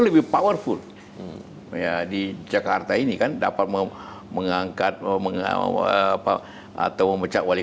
lebih powerful ya di jakarta ini kan dapat mengangkat mengawal apa atau memecat wali